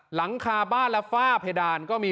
หลังคาบ้านและฝ้าเพดานก็มี